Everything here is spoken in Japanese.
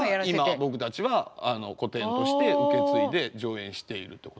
今僕たちは古典として受け継いで上演しているってことなんで。